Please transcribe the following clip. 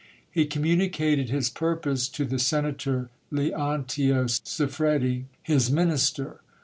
He communicated his purpose to the senator Leontio Siffredi, his min^^r.